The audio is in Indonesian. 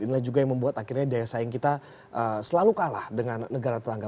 inilah juga yang membuat akhirnya daya saing kita selalu kalah dengan negara tetangga